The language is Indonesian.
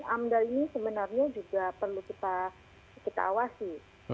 amdal ini sebenarnya juga perlu kita awasi